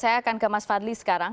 saya akan ke mas fadli sekarang